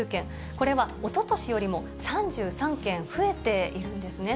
これは、おととしよりも３３件増えているんですね。